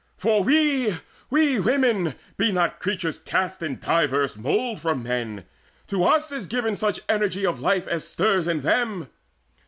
For we, we women, be not creatures cast In diverse mould from men: to us is given Such energy of life as stirs in them.